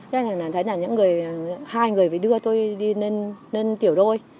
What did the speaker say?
thế là thấy là những người hai người phải đưa tôi đi lên tiểu đôi